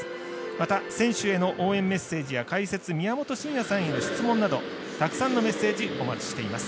また、選手への応援メッセージや解説、宮本慎也さんへの質問などたくさんのメッセージお待ちしております。